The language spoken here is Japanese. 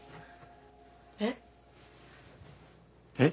えっ？えっ？